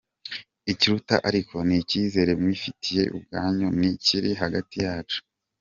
Ikiruta ariko, ni icyizere mwifitiye ubwanyu n’ikiri hagati yacu.